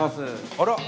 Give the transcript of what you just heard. あら？